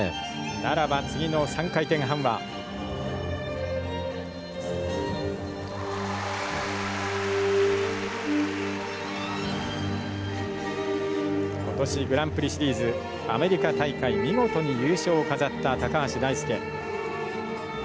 ならば次の３回転半は。今年グランプリシリーズアメリカ大会見事に優勝を飾った橋大輔。